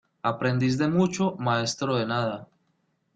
Aprendiz de mucho, maestro de nada.